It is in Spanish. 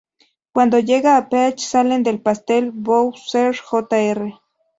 Cuando llega a Peach, salen del pastel Bowser Jr.